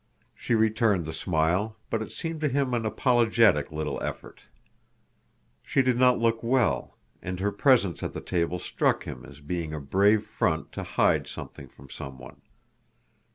She returned the smile, but it seemed to him an apologetic little effort. She did not look well, and her presence at the table struck him as being a brave front to hide something from someone.